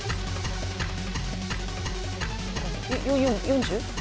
４０？